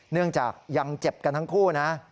เนื่องจากยังเจ็บกันทั้งคู่นะ